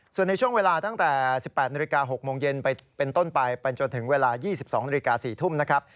ส่วนในช่วงเวลาตั้งแต่๑๘นาฬิกา๖โมงเย็นเป็นต้นไปไปจนถึงเวลา๒๒นาฬิกา๔ทุ่มนะครับ